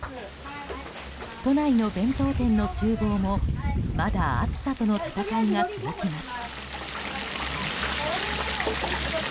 都内の弁当店の厨房もまだ暑さとの戦いが続きます。